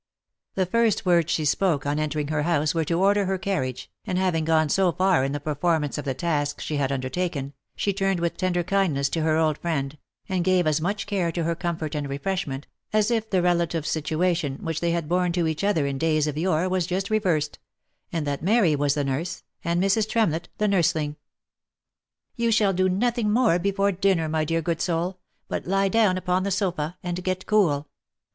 The first words she spoke on entering her house were to order her carriage, and having gone so far in the performance of the task she had undertaken, she turned with tender kindness to her old friend, and gave as much care to her comfort and refreshment, as if the rela tive situation which they had borne to each other in days of yore was just reversed, and that Mary was the nurse, and Mrs. Tremlett the nursling .;< You shall do nothing more before dinner, my dear good soul, but lie down upon the sofa, and get cool.